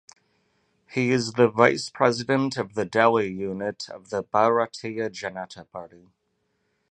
He is the vice president of the Delhi unit of the Bharatiya Janata Party.